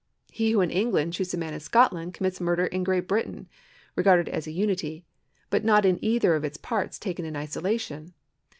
He who in England shoots a man in Scotland commits murder in Great Britain, regarded as a unity, but not in either of its parts taken in isolation.